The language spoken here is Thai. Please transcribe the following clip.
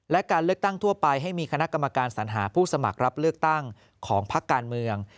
และการเลือกตั้งทั่วไปให้มีคณะกรรมการสัญหาผู้สมัครรับเลือกตั้งของพักการเมือง